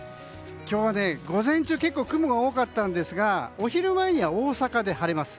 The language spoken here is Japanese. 今日は午前中結構雲が多かったんですがお昼前には大阪で晴れます。